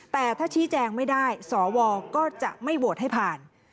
แต่ถ้าชี้แจงไม่ได้สวก็จะไม่โหวตให้ผ่าน